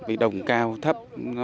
vì đồng cao thấp